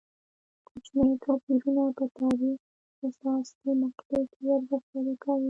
کوچني توپیرونه په تاریخ حساسې مقطعې کې ارزښت پیدا کوي.